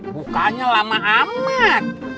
bukanya lama amat